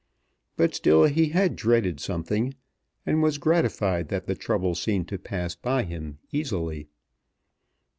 But still he had dreaded something, and was gratified that the trouble seemed to pass by him easily.